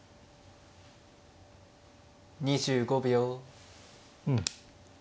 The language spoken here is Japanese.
２５秒。